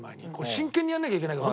真剣にやらなきゃいけないから。